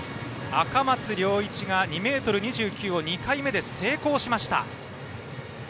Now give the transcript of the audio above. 赤松諒一が２ｍ２９を２回目で成功しました。